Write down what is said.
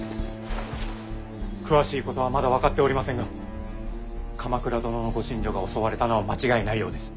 詳しいことはまだ分かっておりませんが鎌倉殿のご寝所が襲われたのは間違いないようです。